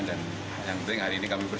dan yang penting hari ini kami berhubungan